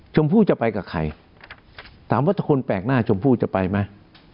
ชมพู่จะไปกับใครถามว่าคนแปลกหน้าชมพู่จะไปไหม